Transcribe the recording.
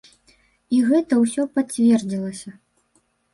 І гэта ўсё пацвердзілася.